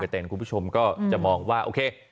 เต็มคุณผู้ชมก็จะมองว่าโอเค